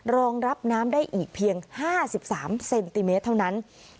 รองรับน้ำได้อีกเพียง๕๓เซนติเมตรเท่านั้น